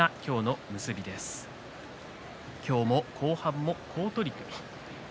今日も後半も好取組